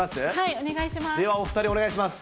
えりお願いします。